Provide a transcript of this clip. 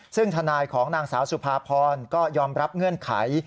ซึ่งทนายของนางสาวสุภาพรก็ยอมรับเงื่อนไข